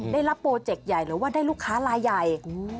ได้รับโปรเจกต์ใหญ่หรือว่าได้ลูกค้าลายใหญ่